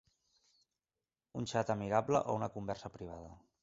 Un xat amigable o una conversa privada.